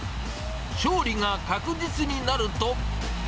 勝利が確実になると。